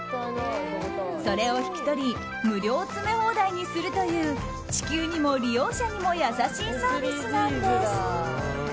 それを引き取り無料詰め放題にするという地球にも利用者にも優しいサービスなんです。